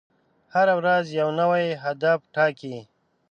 هره ورځ یو نوی هدف ټاکئ.